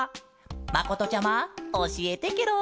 まことちゃまおしえてケロ。